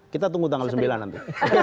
kita tunggu tanggal sembilan nanti